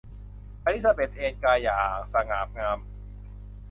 อลิซาเบธเอนกายอย่าสง่างาม